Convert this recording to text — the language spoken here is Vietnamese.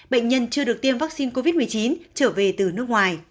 bệnh nhân chưa được tiêm vaccine covid một mươi chín trở về từ nước ngoài